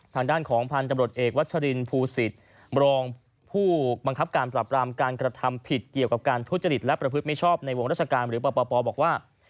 ทางด้านของพันธุ์ตำรวจเอกวัชรินภูศิษย์รองผู้บังคับการปรับรามการกระทำผิดเกี่ยวกับการทุจริตและประพฤติไม่ชอบในวงราชการหรือปปบอกว่า